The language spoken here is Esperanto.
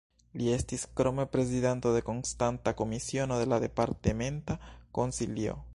Li estis krome prezidanto de konstanta komisiono de la Departementa Konsilio.